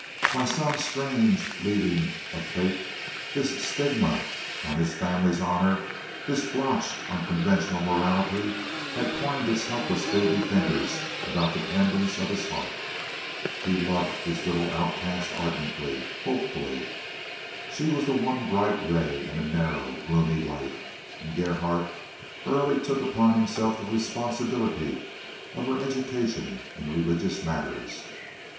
By some strange leading of fate this stigma on his family's honor, this blotch on conventional morality, had twined its helpless baby fingers about the tendons of his heart. He loved this little outcast ardently, hopefully. She was the one bright ray in a narrow, gloomy life, and Gerhardt early took upon himself the responsibility of her education in religious matters.